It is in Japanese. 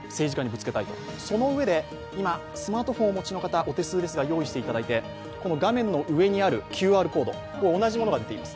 そのうえで今、スマートフォンをお持ちの方、お手数がですが用意していただいてこの画面の上にあるＱＲコード、同じものが出ています